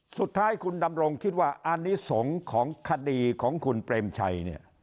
สุดท้ายคุณดำรงคิดว่าอันนี้สงฆ์ของคดีของคุณเปรมชัยเนี่ย